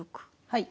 はい。